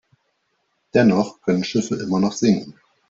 Dennoch können Schiffe immer noch sinken.